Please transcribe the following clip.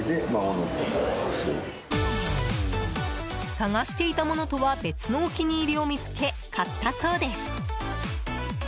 探していたものとは別のお気に入りを見つけ買ったそうです。